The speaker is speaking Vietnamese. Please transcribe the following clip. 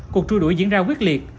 cuộc trua đuổi diễn ra quyết liệt